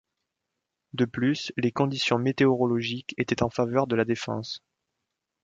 De plus les conditions météorologiques étaient en faveur de la défense.